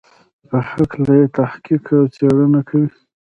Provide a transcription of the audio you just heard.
په هکله یې تحقیق او څېړنه کوي.